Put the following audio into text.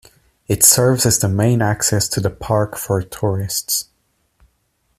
It serves as the main access to the park for tourists.